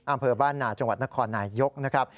อำเภอบ้านนาจังหวัดนครนายยกนะครับ